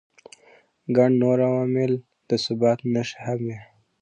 ګڼ نور عوامل او د ثبات نښې هم وي.